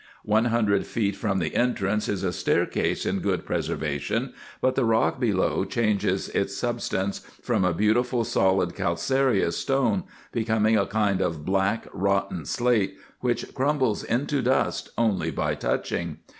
One hundred feet from the entrance is a staircase in good preservation ; but the rock below changes its substance, from a beautiful solid calcareous stone, becoming a kind of black rotten slate, which crumbles into dust only by touching.